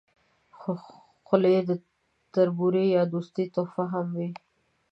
خولۍ د تربورۍ یا دوستۍ تحفه هم وي.